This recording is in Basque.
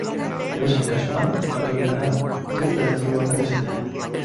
Edozein kasutan, ukatu egin du erantzule bakarra izatea.